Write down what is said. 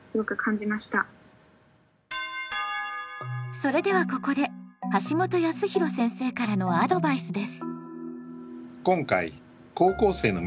それではここで橋本康弘先生からのアドバイスです。